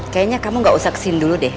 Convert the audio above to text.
kayaknya kamu gak usah kesini dulu deh